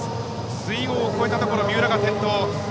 水ごうを越えたところ三浦が転倒。